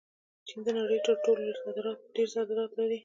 چین د نړۍ تر ټولو ډېر صادرات لري.